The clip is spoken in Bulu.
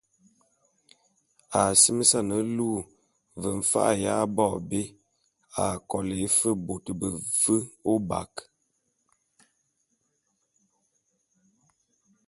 A asimesan e luu ve mfa’a y abo abé a kolé fe bôt befe ôbak.